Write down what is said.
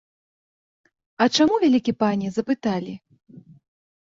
А чаму, вялікі пане, запыталі?